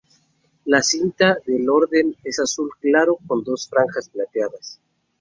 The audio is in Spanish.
La cinta de la Orden es azul claro con dos franjas plateadas.